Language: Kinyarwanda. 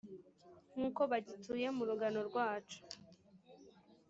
nk’uko bagituye mu rugano rwacu.